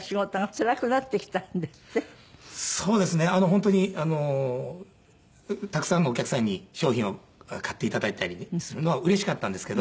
本当にたくさんのお客さんに商品を買って頂いたりするのはうれしかったんですけど。